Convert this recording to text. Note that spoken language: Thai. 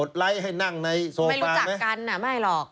อบไลค์ให้นั่งในโซบานไหมไม่รู้จักกันนะไม่หรอก